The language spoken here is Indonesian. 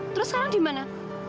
terus sekarang di mana